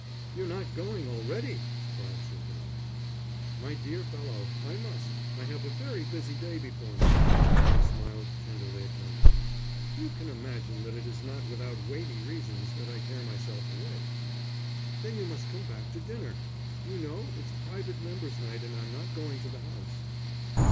"You're not going already?" cried Sir John. "My dear fellow, I must. I have a very busy day before me." He smiled tenderly at Gwendolen. "You can imagine that it is not without weighty reasons that I tear myself away." "Then you must come back to dinner. You know, it's private members' night and I'm not going to the House."